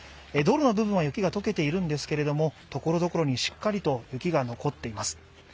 道路の部分は雪が解けているんですけれども、ところどころにしっかりと雪が残っています。